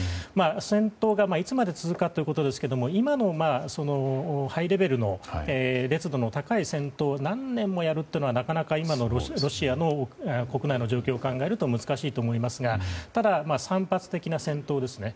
戦闘がいつまで続くかということですけども今のハイレベルな高い戦争を何年もやるのは、なかなか今のロシアの国内の状況を考えると、難しいと思いますが散発的な戦闘ですね。